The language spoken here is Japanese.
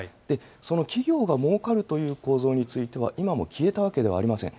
その企業がもうかるという構造については、今も消えたわけではありません。